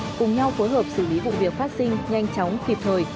cùng nhau phối hợp xử lý vụ việc phát sinh nhanh chóng kịp thời